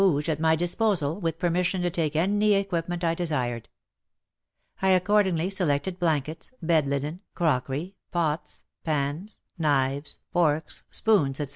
WAR AND WOMEN 59 Rouge at my disposal, with permission to take any equipment I desired. I accordingly selected blankets, bed linen, crockery, pots, pans, knives, forks, spoons, etc.